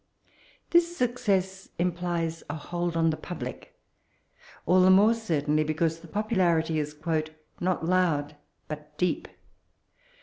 This success implies a hold on the Public, all the more certainly because the popular ity is '* not loud but deep."